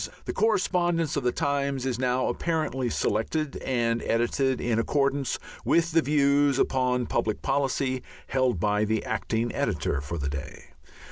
The correspondence of the Times is now apparently selected and edited in accordance with the views upon public policy held by the acting editor for the day.